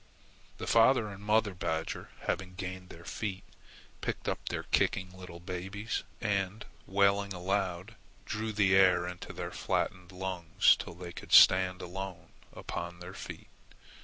The father and mother badger, having gained their feet, picked up their kicking little babes, and, wailing aloud, drew the air into their flattened lungs till they could stand alone upon their feet.